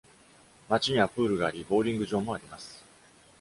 町にはプールがあり、ボウリング場もあります。